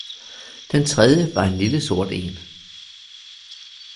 Den tredje var en lille sort en